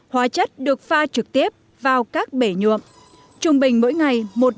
hóa chất được pha trực tiếp vào các bể nhuộm